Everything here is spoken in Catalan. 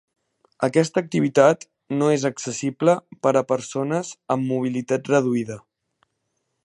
Aquesta activitat no és accessible per a persones amb mobilitat reduïda.